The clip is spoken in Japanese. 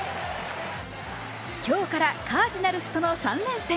今日からカージナルスとの３連戦。